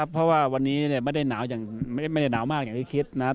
เพราะว่าวันนี้ไม่ได้หนาวไม่ได้หนาวมากอย่างที่คิดนะครับ